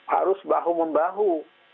harus bahu memulai